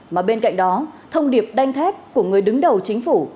mà bên cạnh đó thông điệp đanh thép của người đứng đầu chính phủ